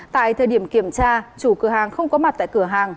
tại thời điểm kiểm tra chủ cửa hàng không có mặt tại cửa hàng